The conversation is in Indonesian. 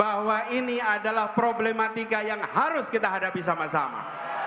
bahwa ini adalah problematika yang harus kita hadapi sama sama